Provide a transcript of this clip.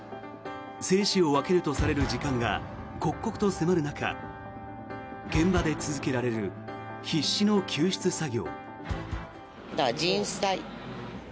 生死を分けるとされる時間が刻々と迫る中現場で続けられる必死の救出作業。